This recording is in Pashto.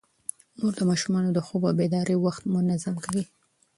مور د ماشومانو د خوب او بیدارۍ وخت منظم کوي.